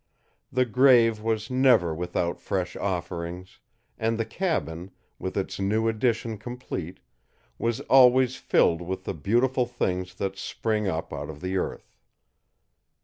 The grave was never without fresh offerings, and the cabin, with its new addition complete, was always filled with the beautiful things that spring up out of the earth.